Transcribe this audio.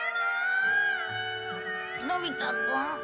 のび太くん？